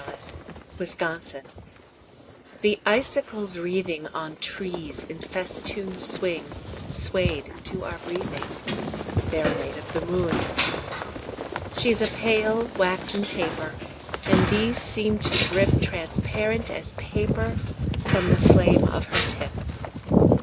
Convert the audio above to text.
SILVER FILIGREE The icicles wreathing On trees in festoon Swing, swayed to our breathing: They're made of the moon. She's a pale, waxen taper; And these seem to drip Transparent as paper From the flame of her tip.